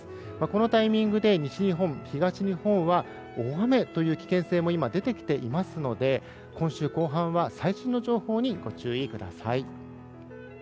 このタイミングで西日本、東日本は大雨という危険性も今、出てきていますので今週後半は最新の情報にご注意ください。